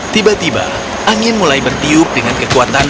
tiba tiba angin mulai bertiup dengan kekuatan